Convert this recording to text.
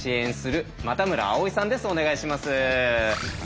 お願いします。